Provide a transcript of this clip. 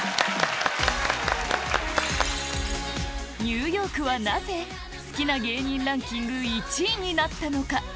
ニューヨークはなぜ好きな芸人ランキング１位になったのか？